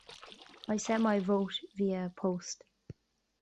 I sent my vote via post.